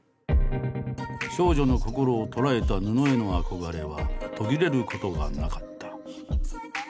少女の心を捉えた布への憧れは途切れることがなかった。